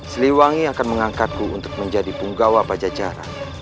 siliwangi akan mengangkatku untuk menjadi punggawa pajajaran